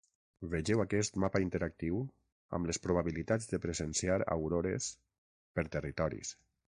Vegeu aquest mapa interactiu, amb les probabilitats de presenciar aurores, per territoris.